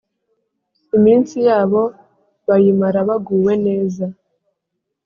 iminsi yabo bayimara baguwe neza,